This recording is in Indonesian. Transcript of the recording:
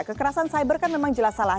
kekerasan cyber kan memang jelas salah